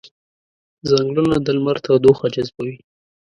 ځنګلونه د لمر تودوخه جذبوي